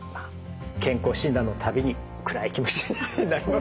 健康診断の度に暗い気持ちになります。